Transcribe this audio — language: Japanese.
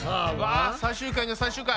わ最終回の最終回！